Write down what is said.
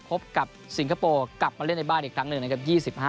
พบกับสิงคโปร์กลับมาเล่นในบ้านอีกครั้งหนึ่งนะครับ